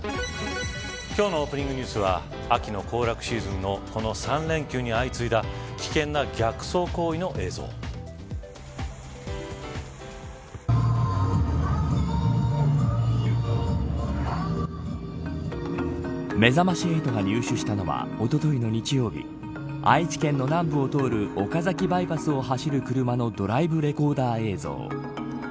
今日のオープニングニュースは秋の行楽シーズンのこの３連休に相次いだめざまし８が入手したのはおとといの日曜日愛知県の南部を通る岡崎バイパスを走る車のドライブレコーダー映像。